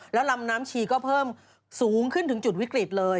แล้วลำน้ำชีก็เพิ่มสูงขึ้นถึงจุดวิกฤตเลย